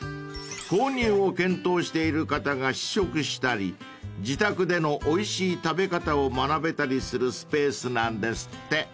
［購入を検討している方が試食したり自宅でのおいしい食べ方を学べたりするスペースなんですって］